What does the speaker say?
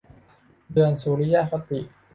เดือนสุริยคติ